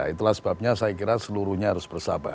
itulah sebabnya saya kira seluruhnya harus bersahabat